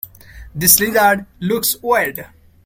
This lizard looks weird.